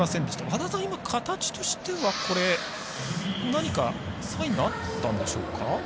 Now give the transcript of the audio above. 和田さん、今、形としては何かサインがあったんでしょうか。